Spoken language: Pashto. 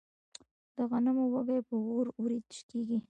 د غنمو وږي په اور وریت کیږي.